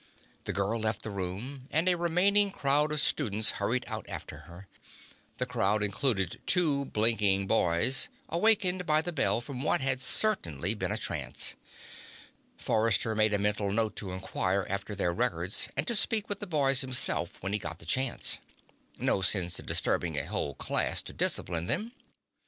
The girl left the room, and a remaining crowd of students hurried out after her. The crowd included two blinking boys, awakened by the bell from what had certainly been a trance. Forrester made a mental note to inquire after their records and to speak with the boys himself when he got the chance. No sense in disturbing a whole class to discipline them.